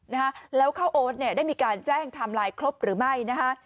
นะฮะแล้วข้าวโอ๊ตเนี่ยได้มีการแจ้งไทม์ไลน์ครบหรือไม่นะคะ